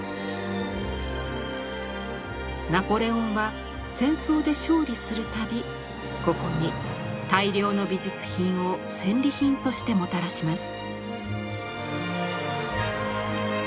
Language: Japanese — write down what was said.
ナポレオンは戦争で勝利する度ここに大量の美術品を戦利品としてもたらします。